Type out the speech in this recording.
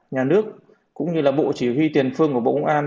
nhà nước cũng như là bộ chỉ huy tiền phương của bộ công an